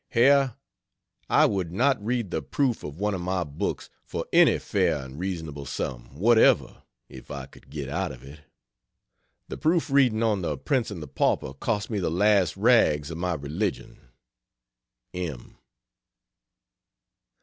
Herr, I would not read the proof of one of my books for any fair and reasonable sum whatever, if I could get out of it. The proof reading on the P & P cost me the last rags of my religion. M.